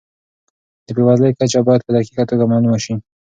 د بېوزلۍ کچه باید په دقیقه توګه معلومه سي.